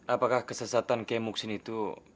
apakah kesesatan kiai mugeni itu